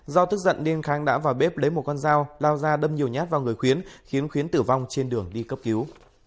do tức giận nên khang đã vào bếp lấy một con dao lao ra đâm nhiều nhát vào người khuyến khiến khuyến tử vong trên đường đi cấp cứu